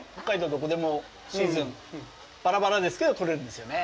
どこでもシーズンばらばらですけど取れるんですよね。